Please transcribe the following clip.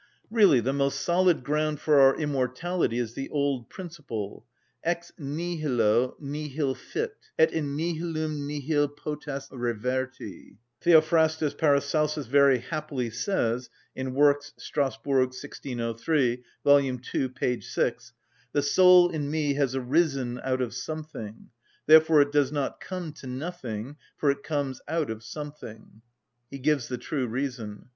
Really the most solid ground for our immortality is the old principle: "Ex nihilo nihil fit, et in nihilum nihil potest reverti." Theophrastus Paracelsus very happily says (Works, Strasburg, 1603, vol. ii. p. 6): "The soul in me has arisen out of something; therefore it does not come to nothing; for it comes out of something." He gives the true reason.